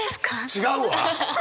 違うわ！